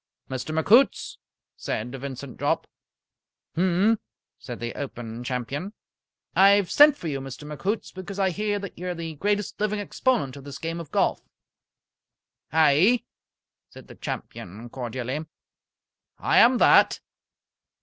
"Mr. McHoots?" said Vincent Jopp. "Mphm!" said the Open Champion. "I have sent for you, Mr. McHoots, because I hear that you are the greatest living exponent of this game of golf." "Aye," said the champion, cordially. "I am that."